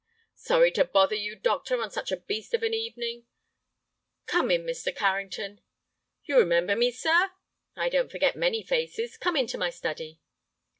"Sorry to bother you, doctor, on such a beast of an evening." "Come in, Mr. Carrington." "You remember me, sir?" "I don't forget many faces. Come into my study."